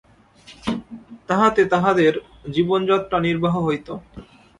তাহাতে তাঁহাদের জীবনযাত্রা নির্বাহ হইত।